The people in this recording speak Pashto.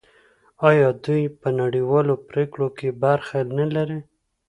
آیا دوی په نړیوالو پریکړو کې برخه نلري؟